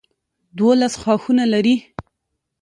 دولس ښاخونه لري.